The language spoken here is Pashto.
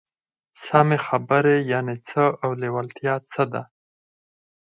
سمې خبرې يانې څه او لېوالتيا څه ده؟